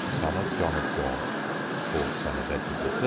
son of John of Gaunt, fourth son of Edward III.